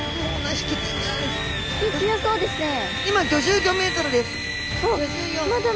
引き強そうですね。